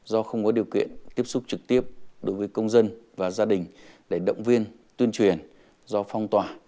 do không có điều kiện tiếp xúc trực tiếp đối với công dân và gia đình để động viên tuyên truyền do phong tỏa